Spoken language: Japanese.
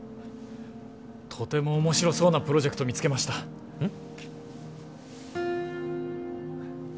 とても面白そうなプロジェクト見つけましたうん？